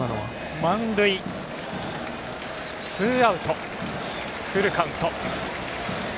満塁、ツーアウトフルカウント。